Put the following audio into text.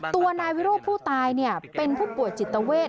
ตัวนายวิโรธผู้ตายเป็นผู้ป่วยจิตเวท